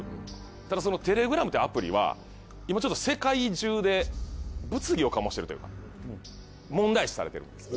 ただそのテレグラムってアプリは今ちょっと世界中で物議を醸してるというか問題視されてるんです。